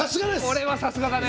これはさすがだね。